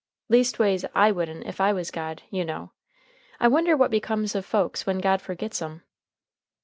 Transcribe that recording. Leastways I wouldn't if I was God, you know. I wonder what becomes of folks when God forgets 'em?"